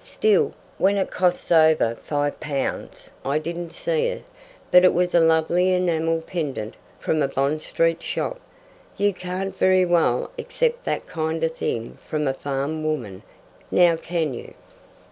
"Still, when it costs over five pounds I didn't see it, but it was a lovely enamel pendant from a Bond Street shop. You can't very well accept that kind of thing from a farm woman. Now, can you?"